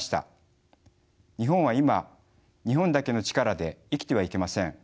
日本は今日本だけの力で生きてはいけません。